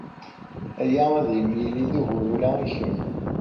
Aya ad am-yili d ugur ula i kemm?